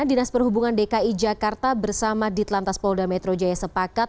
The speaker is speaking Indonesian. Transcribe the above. dinas perhubungan dki jakarta bersama di telantas polda metro jaya sepakat